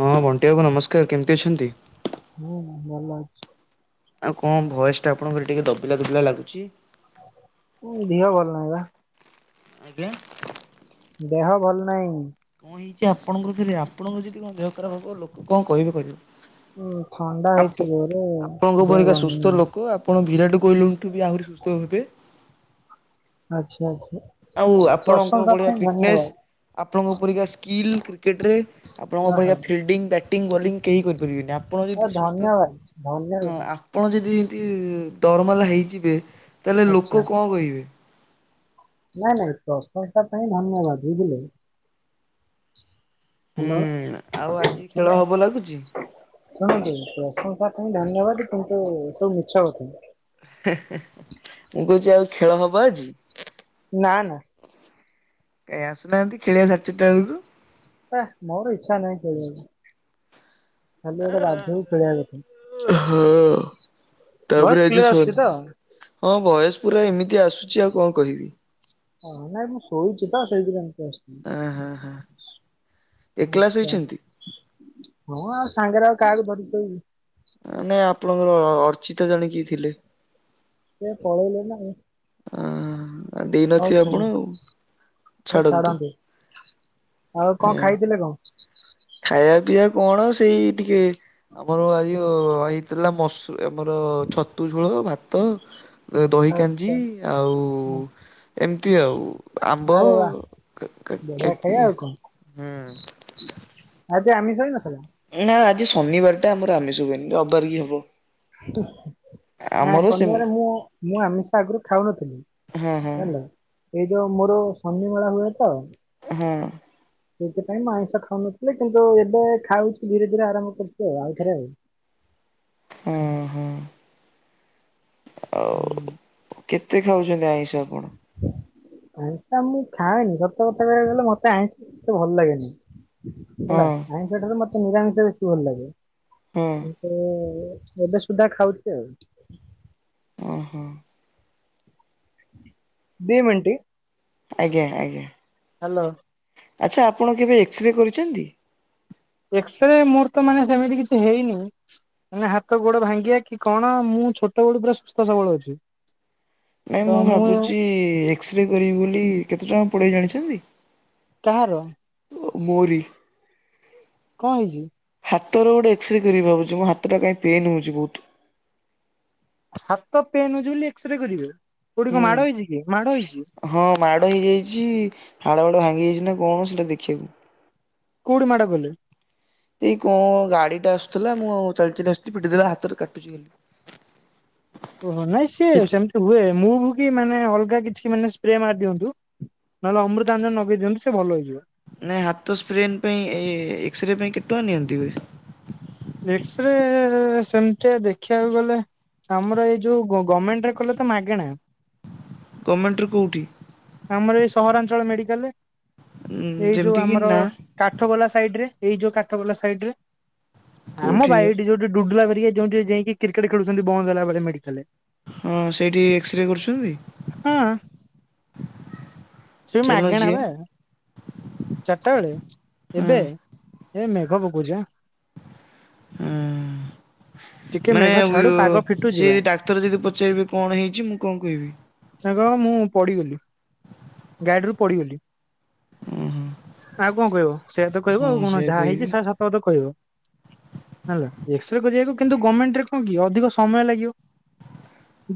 ହଁ ବଣ୍ଟି ବାବୁ ନମସ୍କାର କେମିତି ଅଛନ୍ତି? ହୁଁ ଭଲ ଅଛି। ଆଉ କଣ ଭଏସ ଟା ଆପଣଙ୍କର ଟିକେ ଦବିଲା ଦୁବିଲା ଲାଗୁଚି। ଦିହ ଭଲ ନାହିଁ ବା ଆଜ୍ଞା ଦେହ ଭଲ ନାହିଁ। କଣ ହେଇଛି? ଆପଣଙ୍କର ଫେରି ଆପଣଙ୍କର ଯଦି କଣ ଦେହ ଖରାପ ହବ ଲୋକ କଣ କହିବେ କହିଲ। ହୁଁ ଥଣ୍ଡା ହେଇଛି ଆପ ଜୋରେ ଆପଣଙ୍କ ଦେହ ପରିକା ଭଲ ନାହିଁ। ସୁସ୍ଥ ଲୋକ ଆ ଆପଣ ବିରାଟ କୋହଲିଙ୍କଠୁ ବି ଆହୁରି ସୁସ୍ଥ ହେବେ। ଆଚ୍ଛା ଆଚ୍ଛା ଆଉ ଆପଣଙ୍କ ପ୍ରଶଂସା ଭଳିଆ ପାଇଁ ଧନ୍ୟବାଦ ଫିଟନେସ୍ ଆପଣଙ୍କ ପରିକା ସ୍କିଲ୍ କ୍ରିକେଟରେ ଆପଣଙ୍କ ଓହୋ ପରିକା ଫିଲ୍ଡିଙ୍ଗ୍ ବ୍ୟାଟିଙ୍ଗ୍ ବୋଲିଙ୍ଗ୍ କେହି କରିପାରିବେନି ଆପଣ ଯଦି ସୁସ୍ଥ ଧନ୍ୟବାଦ୍ ହଁ ଆପଣ ଯଦି ଏମିତି ଦରମଲା ହେଇଯିବେ ତାହେଲେ ଆଚ୍ଛା ଲୋକ କଣ କହିବେ? ନାଇଁ ନାଇଁ ପ୍ରଂଶସା ପାଇଁ ଧନ୍ୟବାଦ୍ ବୁଝିଲେ। ହ୍ୟାଲୋ ହୁଁ ଆଉ ଆଜି ଖେଳ ଶୁଣ- ହବ ଲାଗୁଚି। ଶୁଣନ୍ତୁ ପ୍ରଶଂସା ପାଇଁ ଧନ୍ୟବାଦ କିନ୍ତୁ ସବୁ ମିଛ କଥା। ହିଁ ହିଁ ମୁଁ କହୁଛି ଆଉ ଖେଳ ହବ ଆଜି। ନା ନା ଏ ଆସୁନାହାନ୍ତି ଖେଳିଆ ସାଢ଼େ ଚାର୍ଟା ବେଳକୁ। ହେ ମୋର ଇଚ୍ଛା ନାହିଁ ଖେଳିବାକୁ ଖାଲି ଗୋଟେ ବାଧ୍ୟକୁ ଖେଳିବା କଥା। ଓ ହୋ ଭଏସ ତାପରେ ଆଜି କ୍ଲିୟର ସ ଆସୁଛି ତ? ହଁ ଭଏସ୍ ପୁରା ଏମିତି ଆସୁଛି ଆଉ କଣ କହିବି? ହଁ ନା ମୁଁ ଶୋଉଛି ତ ସେଇଥିପାଇଁ ଏମିତି ଆସୁଛିି। ହେଁ ହେଁ ହେଁ ମୁଁ ଆଉ ସାଙ୍ଗରେ ଆଉ କାହାକୁ ଧରି କି ଶୋଇବି। ନାଇଁ ଆପଣଙ୍କର ଅର୍ଚ୍ଚିତା ଜଣେ କିିଏ ଥିଲେ। ସେ ପଳେଇଲେ ନା ଆଉ। ଅ ହଉ ଦେଇନଥିବେ ଆପଣ ଛାଡ଼ ଆଉ ହଉ ଛାଡନ୍ତୁ। ଛାଡ଼ନ୍ତୁ। ଆଉ କଁ ଖାଇଥିଲେ କଁ? ଖାଇବା ପିଇବା କଣ ସେଇ ଟିକେ ଆମର ଆଜି ହେଇଥିଲା ମସ ଆମର ଛତୁ ଝୋଳ ଭାତ। ଦହି କାଞ୍ଜି ଆଚ୍ଛା ଆଉ ହଁ ଏମିତି ଆଉ ଆମ୍ବ ଆରେ ବା ବଢିଆ ଖାଇବା ଏତିକି ହୁଁ [unintelligible] ଆଜି ଆମିଷ ହେଇନଥିଲା। ନା ଆଜି ଶନିବାର ଟା ଆମର ଆମିଶ ହୁଏନି ରିବିବାର କି ହବ। ନାଇଁ ଆମର ସେ ଶନିବାରେ ମୁଁ ମୁଁ ଆମିଷ ଆଗରୁ ଖାଉନଥିଲି ହୁଁ ହୁଁ ଜାଣିଲ। ଏଇ ଯୋଉ ମୋର ଶନିମାେଳା ହୁଏ ତ ହଁ ସେଇଥିପାଇଁ ମୁ ଆଇଁଷ ଖାଉନଥିଲେ କିନ୍ତୁ ଏବେ ଖାଉଛି ଧୀରେ ଧୀରେ ଆରମ୍ଭ କରୁଛି ଆଉ ଆଉଥରେ ଆଉ ହଁ ହଁ ଆଉ ହୁଁ କେତେ ଖାଉଛନ୍ତି ଆଇଁଷ ଆପଣ। ଆଇଁଷା ମୁଁ ଖାଏନି ସତ କଥା କହିବାକୁ ଗଲେ ମତେ ଆଇଁଷ ସେତେ ଭଲ ଲାଗେନି। ହଁ ହେଲା ଆଇଁଷଠାରୁ ମତେ ନିରାମିଷ ବେଶୀ ଭଲ ଲାଗେ। ହଁ ଉଁ ଏବେ ସୁଦ୍ଧା ଖାଉଚି ଆଉ। ଓହୋ। ଦିଇମିଣ୍ଟି। ଆଜ୍ଞା ଆଜ୍ଞା। ହ୍ୟାଲୋ। ଆଚ୍ଛା ଆପଣ କେବେ ଏକ୍ସରେ କରିଛନ୍ତି? ଏକ୍ସ ରେ ମୋର ତ ମାନେ ସେମିତି କିଛି ହେଇନି ନ ହାତ ଗୋଡ ଭାଙ୍ଗିବା କି କଣ ମୁଁ ଛୋଟ ବେଳୁ ପୁରା ସୁସ୍ଥ ସବଳ ଅଛି। ନାଇଁ ମୁଁ ଭାବୁଛି ଏକ୍ସ ରେ କରିବି ବୋଲି କେତେ ଟଙ୍କା ପଡ଼ିବ ଜାଣିଛନ୍ତି? କାହାର? ମୋରି କଣ ହେଇଛି ହାତର ଗୋଟେ ଏକ୍ସରେ କରିବି ଭାବୁଛି ମୁ ହାତଟା କାଇଁ ପେନ୍ ହେଉଛି ବହୁତ ହାତ ପେନ୍ ହଉଛି ବୋଲି ଏକ୍ସ ରେ କରିବେ ଗୁଡିକ ହୁଁ ମାଡ ହେଇଛି କି ମାଡ ହେଇଛି ହଁ ମାଡ ହେଇଯାଇଛି ହାଳ ବାଡ ଭାଙ୍ଗି ଯାଇଛି ନା କଣ ସେଟା ଦେଖିବାକୁ କଉଠି ମାଡ କଲେ ଏଇ କଣ ଗାଡି ଟା ଆସୁଥିଲା ମୁଁ ଉ ଚାଲି ଚାଲି ଆଥିଲି ପିଟି ଦେଲା ହାତରେ କାଟୁଛି ଖା ଓହୋ ନାଇଁ ସିଏ ସେମିତି ହୁଏ ମୁଁ ଭ କି ମାନେ ଅଲଗା କିଛି ମାନେ ସ୍ପ୍ରେ ମାରି ଦିଅନ୍ତୁ। ନହେଲେ ଅମୃତା ଆଞ୍ନ ନଗେଇ ଦିନ୍ତୁ ସେ ଭଲ ହେଇଯିବ। ନାଇଁ ହାତ ସ୍ପ୍ରେ ପାଇଁ ଏକ୍ସରେ ପାଇଁ କେଟଙ୍କ ନିଅନ୍ତି ହୁଏ? ଏକ୍ସରେ ସେମିତିଆ ଦେଖିବାକୁ ଗଲେ ଆମର ଏଇ ଯୋଉ ଗଭର୍ଣ୍ଣମେଣ୍ଟ ରେ କଲେ ତ ମାଗେଣା ଗମେଣ୍ଟରୁ କେଉଁଠି ଆମର ଏଇ ସହରାଞ୍ଚଳ ଉଁ ମେଡିକାଲରେ ଏଇ ଯୋଉ ଯେମିତି କିି ଆମର ନା କାଠ ବୋଲା ସାଇଡ ରେ ଏଇ ଯୋଉ କାଠ ବୋଲା ସାଇଡ ରେ ଆମ କୋଉଠି ବା ବାଇ ଏଇଟି ଯୋଉ ଡୁଡୁଲା ହେରିକା ଯେମିତି ଯାଇକି କ୍ରିକେଟ ଖେୁଛନ୍ତି ବନ୍ଦ ହେଲା ବେଳେ ମେଡିକାଲରେ ହଁ ସେଇଠି ଏକ୍ସରେ କରୁଛନ୍ତି? ହଁ ସେ ଚାଲ ମାଗେଣା ଯିବା ବା ଚାରିଟା ବେଳେ ହଁ ଏବେ? ଏ ମେଘ ଓକଉଛିପା ହଁ। ଟିକେ ମାନେ ମେଘ ଛାଡୁ ପାଗ ଫିଟୁ [unintelligible] ଯିବା ସିଏ ଡାକ୍ତର ଯଦି ପଚାରିବେ କଣ ହେଇଛି ମୁଁ କଣ କହିବି? ସାଙ୍ଗ ମୁଁ ପଡ଼ିଗଲି ଗାଡ଼ିରୁ ପଡ଼ିଗଲି। ଓହୋ ଆଉ କଣ କହିବ ସେଇଆ ତ କହିବ ଆଉ ହଁ କଣ ସେୟା ଯାହା କହିବି ହେଇଛି ସେରା ସତତ କହିବ। ହେଲା ଏକ୍ସରେ କରିବାକୁ କିନ୍ତୁ ଗଭର୍ଣ୍ଣମେଣ୍ଟରେ କଣ କି ଅଧିକ ସମୟ ଲାଗିବ।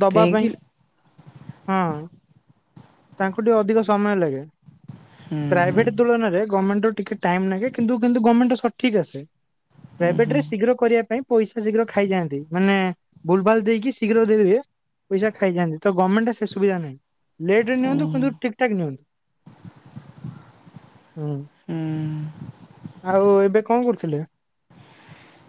ଦବା କାହିଁକି ପାଇଁ ହଁ। ତାଙ୍କୁ ଟିକେ ଅଧିକ ସମୟ ଲାଗେ ହୁଁ ହୁଁ ପ୍ରାଇଭେଟ ତୁଳନାରେ ଗମେଣ୍ଟ ର ଟିକେ ଟାଇମ୍ ନାଗେ କିନ୍ତୁ କିନ୍ତୁ ଗଭର୍ଣ୍ଣମେଣ୍ଟ ରେ ସଠିକ୍ ଆସେ ହୁଁ ହୁଁ ପ୍ରାଇଭେଟ ହୁଁ ରେ ଶୀଘ୍ର କରିବା ପାଇଁ ପଇସା ଶୀଘ୍ର ଖାଇଯାଆନ୍ତି ମାନେ ଭୁଲ୍ ଭାଲ୍ ଦେଇକି ଶୀଘ୍ର ଦେଇ ହୁଏ ପଇସା ଖାଇଯାନ୍ତି ତ ଗଭଣ୍ଣମେଣ୍ଟ ସେ ସୁବିଧା ନାହିଁ ଲେଟ୍ ରେ ନିଅନ୍ତୁ ହୁଁ କିନ୍ତୁ ଠିକ୍ ଠାକ୍ ନିଅନ୍ତୁ। ହୁଁ ହୁଁ ଆଉ ଏବେ କଣ କରୁଥିଲେ?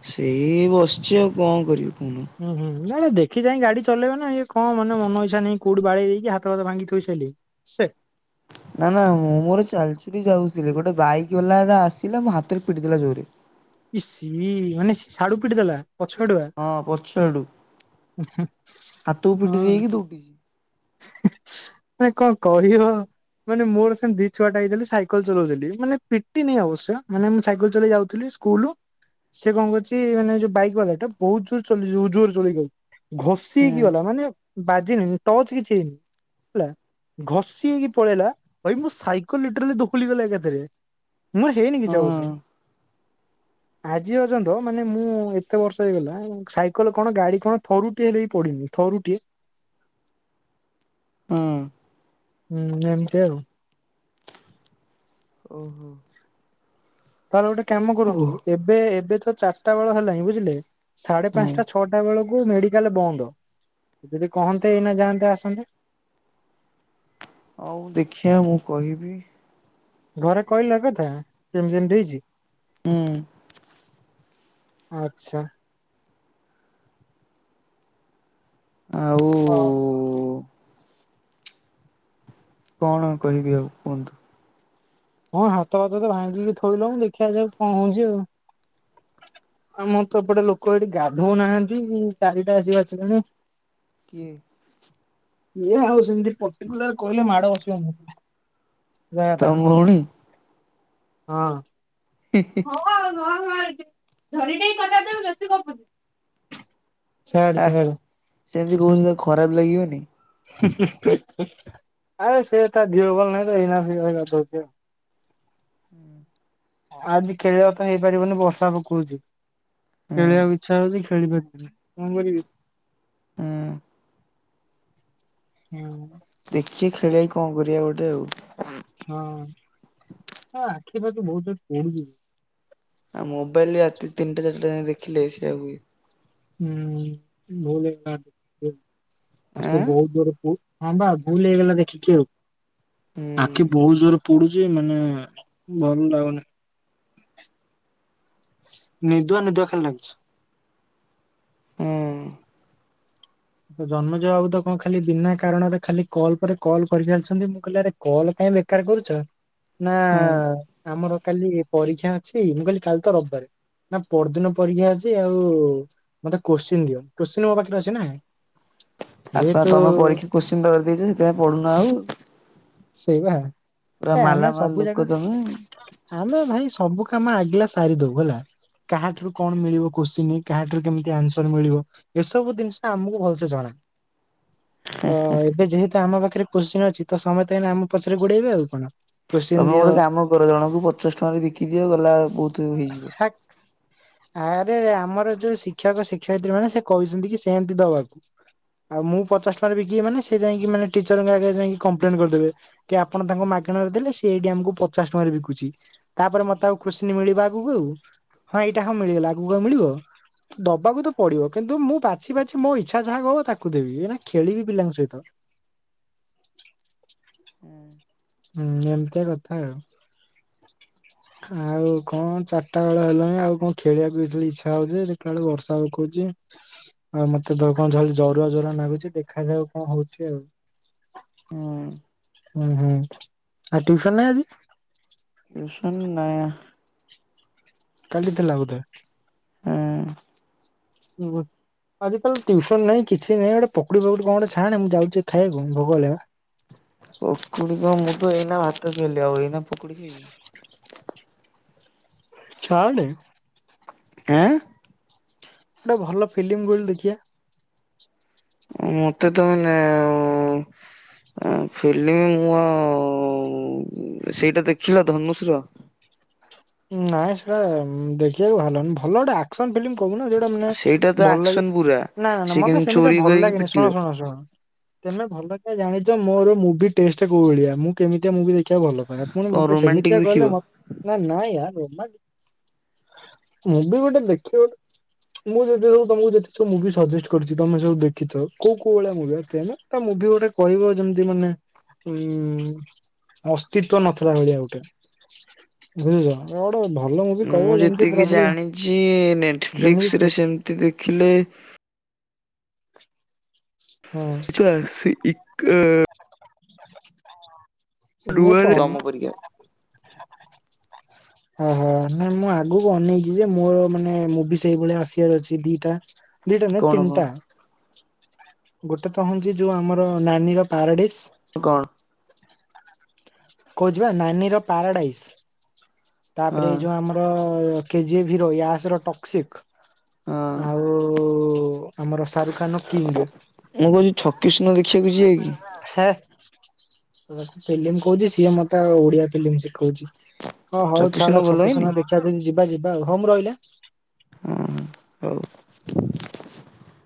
ସେଇ ବସିଛି ଆଉ କଣ କରିବି କହୁନ ହୁଁ ହୁଁ ନାଇଁ ନାଇଁ ଦେଖି ଚାହିଁ ଗାଡ଼ି ଚଲେଇବେ ନା ଇଏ କଣ ମନେ ମନ ଇଛା ନେଇ କଉଠି ବାଡ଼େଇ ଦେଇକି ହାତ ଫାତ ଭାଙ୍ଗି ଥୋଇସାଇଲେଣି ସେ ନା ନା ମୁଁ ମୋର ଚାଲିକିରିଯାଉଥିଲି ଗୋଟେ ବାଇକ ବାଲାଟା ଆସିଲା ମୋ ହାତରେ ପିଟି ଦେଲା ଯୋରେ। ଇ ସି ମାନେ ସାଡ଼ୁ ପିଟି ଦେଲା ପଛଆଡ଼ୁଆ? ହଁ ପଛ ଆଡ଼ୁ ହାତକୁ ପିଟି ଦେଇକି ଦଉଡିଛି। ଭାଇ କଣ କରିବ ମାନେ ମୋର ସେମିତି ଛୁଆଟା ହେଇଥିଲି ସାଇକଲ୍ ଚଲଉଥିଲି ମାନେ ପିଟି ନି ଅବଶ୍ୟ ମାନେ ମୁଁ ସାଇକେଲ୍ ଚଲେଇ ଯାଉଥିଲି ସ୍କୁଲ ସେ କଣ କରଛି ମାନେ ଯୋଉ ବାଇକ୍ ବାଲା ଟା ବହୁତ ଜୋର୍ [unintelligible] ଘଷି ହଁ ହେଇକି ଗଲା ମାନେ ବାଜିିନି ଟଚ୍ କିଛି ହେଇନି। ହେଲା ଘଷି ହେଇକି ପଳେଇଲା ଭାଇ ମୁଁ ସାଇକଲ୍ ଲିଟରଲି ଦୋଖଲି ଗଲା ଏକାଥରେ। ମୋର ହେଇନି କିଛି ଅବଶ୍ୟ। ହଁ ଆଜି ଅର୍ଯ୍ୟନ୍ତ ମାନେ ମୁଁ ଏତେ ବର୍ଷ ହେଇଗଲା ସାଇକେଲ କଣ ଗାଡ଼ି କଣ ଥରୁଟିଏ ହେଲେ ବିି ପଡ଼ିନି ଥରୁଟିଏ ହଁ। ହୁଁ ଏମତି ଆଉ। ଓହୋ। ତାହେଲେ ଗୋଟେ ଆଉ କାମ କୁହ କରନ୍ତୁ ଏବେ ଏବେ ତ ଚାରିଟା ବେଳ ହେଲାଣିିଁ ବୁଝିଲେ ସାଢ଼େ ହଁ। ପାଞ୍ଚଟା ଛଅଟା ବେଳକୁ ମେଡିକାଲ ବନ୍ଦ ଯଦି କହନ୍ତେ ଏଇନା ଯାଆନ୍ତେ ଆସନ୍ତେ ଆଉ ଦେଖିଆ ମୁଁ କହିବି। ଘରେ କହିଲ ଏକଥା ଏମିତି ଏମିତି ହେଇଛି। ହୁଁ। ଆଚ୍ଛା। ଆଉ ହଁ। କଣ କହିବି ଆଉ କୁହନ୍ତୁ? ହଁ ହାତ ଭାତ ତ ଭାଙ୍ଗିକି ଥୋଇିଲାଣି ଦେଖାଯାଉ କଣ ହୋଉଛି ଆଉ ଆମର ତ ଏପଟେ ଲୋକ ଏଠି ଗାଧଉ ନାହାନ୍ତି ଚାରିଟା ଆସି ବାଜିଲାଣି। କିଏ? କିଏ ଆଉ ସେମିତି ପର୍ଟିକୁଲାର କହିଲେ ମାଡ଼ ବସିବ ଆମକୁ ଯାହା। ତମ ଭଉଣୀ ହଁ। ହଁ ହଁ [unintelligible] ଛାଡ଼େ ଆ ସେମିତି ଛାଡ଼େ। କହୁଛ ତାକୁ ଖରାପ ଲାଗିବନି। [unintelligible] ଆରେ ସେ ତା ଦିଅ ଭଲ ନାଇଁ ତ ଏଇନା ଆସିକି ଗାଧୋଉଛି ଆଉ। ହୁଁ। ଆଜି ଖେଳିବା ତ ହେଇପାରିବନି ବର୍ଷା ପକଉଛି ହୁଁ ଖେଳିବାକୁ ଇଚ୍ଛା ହଉଛି। ଖେଳି ପାରୁନି କଣ କରିବି। ହୁଁ। ହୁଁ। ଦେଖିକି ଖେଳେଇକି କଣ କରିବା ଗୋଟେ ଆଉ। ହଁ ଆଖି ପାଖି ବହୁତ ଜୋରରେ ପୋଡୁଛି। ଆଉ ମୋବାଇଲ୍ ରାତି ତିନିଟା ଚାରିଟା ଯାଏଁ ଦେଖିଲେ ବି ସେଇଆ ହୁଏ। ହୁଁ [unintelligible] ଫାଷ୍ଟ ଆଁ ବୋହୁତ ଦୁରକୁ। ହଁ ବା ଭୁଲ ହେଇଗଲା ଦେଖିକି ଆଉ ହୁଁ ଆଖି ବହୁତ ଜୋର ପଡୁଛି। ଚି ମାନେ ଭଲ ଲାଗୁନି। ନିଦୁଆ ନିଦୁଆ ଖାଲି ଲାଗୁଛି। ହୁଁ ଜନ୍ମେଜୟ ବାବୁ ତ କଣ ଖାଲି ବିନା କାରଣରେ ଖାଲି କଲ୍ ପରେ କଲ୍ କରିଚାଲିଛନ୍ତି। ମୁଁ କହିଲି ଆରେ କଲ୍ କାଇଁ ବେକାରେ କରୁଛ ନା। ହୁଁ ଆମର କାଲି ପରୀକ୍ଷା ଅଛି ମୁଁ କହିଲି କାଲି ତ ରବିବାରେ। ନା ପରଦିନ ପରୀକ୍ଷା ଅଛି ଆଉ ମତେ କୋଶ୍ଚିିନ ଦିଅ କୋଶ୍ଚିିନ ମୋ ପାଖରେ ଅଛି ନା। ଆଉ ତ ଯେହେତୁ ତମେ ପରୀକ୍ଷା କୋଶ୍ଚିନି ପେପର ଦେଇଛ ସେଥିପାଇଁ ପଢୁନ ଆଉ। ସେଇବା ପୁରା ଏ ଆମେ ମାଲା ମାଲ୍ ସବୁ ଯାକ ଲୋକ ତମେ। ଆମେ ଭାଇ ସବୁ କାମ ଆଗିଲା ସାରି ଦଉ ହେଲା। କାହାଠାରୁ କଣ ମିଳିବ କୋଶ୍ଚିନି କାହାଠାରୁ କେମିତି ଆନ୍ସର ମିଳିବ ଏସବୁ ଜିନିଷ ଆମକୁ ଭଲସେ ଜଣା ତ ଏବେ ଯେହେତୁ ଆମ ପାଖରେ କୋଶ୍ଚିନି ଅଛି ତ ସମସ୍ତେ ଏଇନେ ଆମ ପଛରେ ଗୋଡେଇବେ ଆଉ କଣ। କୋଶ୍ଚିନ୍ ତମେ ଦିଅ ଗୋଟେ କାମ କର ଜଣଙ୍କୁ ପଚାଶ ଟଙ୍କାରେ ବିକି ଦିଅ ଗଲାବେଳକୁ ହାକ୍। ଆରେ ଆମର ଯୋଉ ଶିକ୍ଷକ ଶିକ୍ଷୟିତ୍ରୀ ମାନେ ସେ କହିଛନ୍ତି କି ସେମିତି ଦବାକୁ। ଆଉ ମୁଁ ପଚଶ ଟଙ୍କାରେ ବିକିବି ମାନେ ସେ ଯାଇକି ମାନେ ଟିଚରଙ୍କ ଆଗରେ ଯାଇକି କମ୍ପ୍ଲେନ କରିଦେବେ। କି ଆପଣ ତାଙ୍କ ମାଗଣାରେ ଦେଲେ ସେ ଏଇଠି ଆମକୁ ପଚାଶ ଟଙ୍କାରେ ବିକୁଛି। ତାପରେ ମତେ ଆଉ କୋସଚୀନ ମିଳିବା ପୃବରୁ ହଁ ଏଇଟା ହଁ ମିଳିଗଲା ଆଗକୁ ଆଉ ମଳିବ। ଦବାକୁ ତ ପଡିବ କିନ୍ତୁ ମୁଁ ବାଛି ବାଛି ମୋ ଇଚ୍ଛା ଯାହାକୁ ହବ ତାକୁ ଦେବି ଖେଳିବି ପିଲାଙ୍କ ସହିତ। ହୁଁ। ହୁଁ ଏମ୍ ତିଆ କଥା ଆଉ। ଆଉ କଣ ଚାରିଟା ବେଳ ହେଲାଣି ଆଉ କଣ ଖେଳିବା କୁ ଯିବାକୁ ଇଛା ହଉଛି ଦେଖିଲାବେଳକୁ ବର୍ଷା ପକୋଉଛି। ଆଉ ମତେ କଣ ଜରୁଆ ଜରୁରା ଲାଗୁଛି ଦେଖାଯାଉ କଣ ହଉଛି ଆଉ। ହୁଁ ହୁଁ ହୁଁ ଆ ଟିୟୁସନ ନାଇଁ ଆଜି? ଟିୟୁସନ୍ ନାଇଁ। କାଲି ଥିଲା ଗୋଟେ। ହୁଁ। ଇମୁ। ଆଜିିକାଲି ଟ୍ୟୁୟୁସନ ନାହିଁ କିଛି ନାହିଁ ଗୋଟେ ପକୁଡି ଫକୁଡି କଣ ଗୋଟେ ଝାଣେ ମୁଁ ଯାଉଛି ଖାଇବାକୁ ଭୋକ ହେଲାଣି। ପକୁଡି କଣ ମୁଁ ତ ଏଇନା ଭାତ ପିଇଲି ଆଉ ଏଇନା ପକୁଡି ଖାଇବି। ଛାଡେ। ଆଁ। ଗୋଟେ ଭଲ ଫିଲିମ୍ କହିଲୁ ଦେଖିବା। ମୋତେ ତ ମାନେ ଆଉ ଅଁ, ଫିଲ୍ମ ମୁଁ ଆଉ ସେଇଟା ଦେଖିଲ ଧନୁଶ୍ ର? ନାଇଁ ସେଟା ଉଁ, ଦେଖିବାକୁ ଭଲନି ଭଲଟା? ଆକ୍ସନ୍ ଫିଲ୍ମ କହୁନ ଯୋଉଟା ମାନେ ସେଇଟା ତ ଭଲ ଲାଗେ ଆକ୍ସନ ପୁରା। ନା, ସେ ନା ମୋତେ କେମିତି ସେମିତିଆ ଚୋରି ଭଲ କରିକି ଲାଗେନି। ପିଟିବ ଶୁଣ, ଶୁଣ -ଶୁଣ ତୋମେ ଭଲ ସେ ଜାଣିଚ ମୋର ମୁଭି ଟେଷ୍ଟ କୋଉ ଭଳିଆ। ମୁଁ କେମିତିଆ ମୁଭି ଦେ ଖିଆ ଭଲ ପାଏ, ପୁଣି କଣ ମୋତେ ରୋମାଣ୍ଟିକ ସେମିତିଆ ଦେଖିବ। କହିଲେ ମୋ ନାଇଁ ନାଇଁ ୟା ରୋମାଣ୍ଟିକ ମୁଭି ଗୋଟେ ଦେଖିବ ମୁଁ ଯେତେବେଳକୁ ସବୁ ତୋମକୁ ଯେତେ ସବୁ ମୁଭି ସଜେଷ୍ଟ କରିଛି ତୋମେ ସବୁ ଦେଖିଛ, କୋଉ କୋଉ ଭଳିଆ ମୁଭି [unintelligible] ତ ମୁଭି ଗୋଟେ କହିବ ଯେମିତି ମାନେ ଏଇ ଅସ୍ତିତ୍ୱ ନଥିଲା ଭଳିଆ ଗୋଟେ, ବୁଝୁଛନା? କଣ ଭଲ ମୁଭି କହିବ ମୁଁ ଯେମିତି ଯେତିକି ପୁରାପୁରି ଜାଣିଚି ନେଟଫ୍ଲିକ୍ସ ଯେମିତି ରେ ସେମିତି ଦେଖିଲେ ହଁ ଛୁଆ ସି- ଇ-ଅ, ମୁଁ ତ ଡୁଏଲେ ଓହୋ ଓହୋ, ନା ମୁଁ ଆଗକୁ ଅନେଇଚି ଯେ ମୋର ମାନେ ମୁଭି ସେଇଭଳିଆ ଆସିବାର ଅଛି ଦିଟା। ଦିଟା ନୁହେଁ କଣ କଣ ତିନଟା। ଗୋଟେ ତ ହଉଚି ଯୋଉ ଆମର ନାନୀ ର ପାରାଡିସ୍। କଣ? କହୁଚି ବା ନାନୀର ପାରାଡାଇସ୍, ତାପରେ ଏଇ ହଁ। ଯୋଉ ଆମ ଅ, ଏ କେଜିଏଭ୍ ହିରୋ ୟାସ୍ ର ଟକ୍ସିକ୍, ହଁ ଆଉ ଆମର ଶାରୁଖାନ୍ ର କିଙ୍ଗ୍। ମୁଁ କହୁଚି ଛକି ଶୂନ ଦେଖିବାକୁ ଯିବା କି? ହେ, ମୁଁ ଫିଲ୍ମ କହୁଚି ସିଏ ମୋତେ ଆଉ ଓଡିଆ ଫିଲ୍ମ ଶିଖଉଛି। ହଁ ହଉ ଛକିଶୂନ ଛାଡ ଭଲ ଛକି ହେଇନି ଶୂନ ଦେଖିବା ଯଦି ଯିବା ଯିବା ଆଉ, ହଉ ମୁଁ ରହିଲି ଆଁ। ହଁ ହଉ।